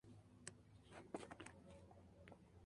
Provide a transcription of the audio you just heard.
Al retirarse, Hitler ordenó la demolición del complejo.